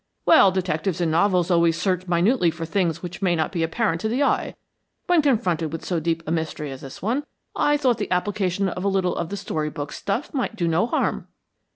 "Well, detectives in novels always search minutely for things which may not be apparent to the eye. When confronted with so deep a mystery as this one, I thought the application of a little of the story book stuff might do no harm."